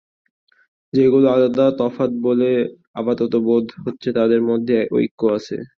যেগুলো আলাদা, তফাত বলে আপাতত বোধ হচ্ছে, তাদের মধ্যে ঐক্য দেখা।